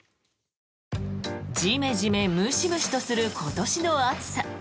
ジメジメ、ムシムシとする今年の暑さ。